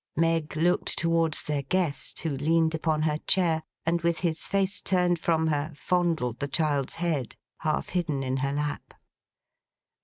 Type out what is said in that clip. Meg looked towards their guest, who leaned upon her chair, and with his face turned from her, fondled the child's head, half hidden in her lap.